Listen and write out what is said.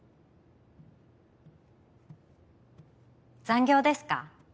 残業ですか？